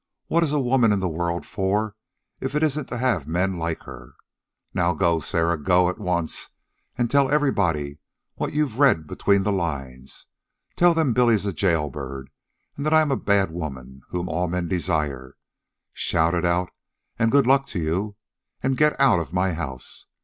What is a woman in the world for, if it isn't to have men like her? Now, go, Sarah; go at once, and tell everybody what you've read between the lines. Tell them Billy is a jailbird and that I am a bad woman whom all men desire. Shout it out, and good luck to you. And get out of my house.